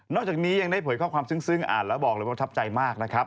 จากนี้ยังได้เผยข้อความซึ่งอ่านแล้วบอกเลยว่าทับใจมากนะครับ